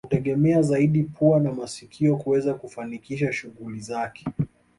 Hutegemea zaidi pua na masikio kuweza kufanikisha shughuli zake